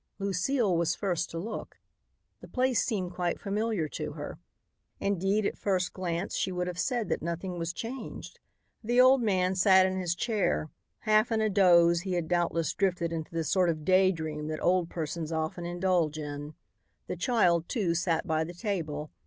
Lucile was first to look. The place seemed quite familiar to her. Indeed, at first glance she would have said that nothing was changed. The old man sat in his chair. Half in a doze, he had doubtless drifted into the sort of day dream that old persons often indulge in. The child, too, sat by the table.